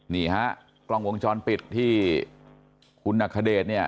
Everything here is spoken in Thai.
นี่ฮะกล้องวงจรปิดที่คุณอัคเดชเนี่ย